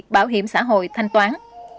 bảo hiểm xã hội thanh toán